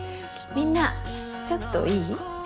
みんなちょっといい？